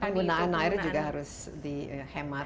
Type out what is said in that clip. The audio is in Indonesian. penggunaan air juga harus dihemat